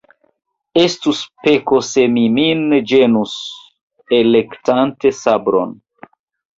Estus peko, se mi min ĝenus, elektante sabron.